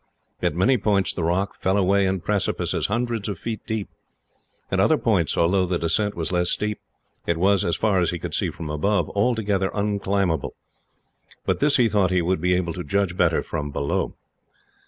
At many points the rock fell away in precipices, hundreds of feet deep. At other points, although the descent was less steep, it was, as far as he could see from above, altogether unclimbable; but this he thought he would be able to judge better, from below.